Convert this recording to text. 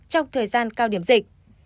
trong thời gian cao điểm dịch